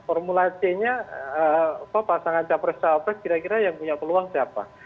formula c nya apa pasangan cawapres cawapres kira kira yang punya peluang siapa